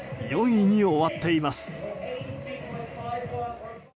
４位に終わっています。